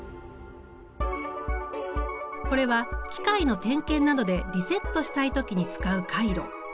これは機械の点検などでリセットしたい時に使う回路。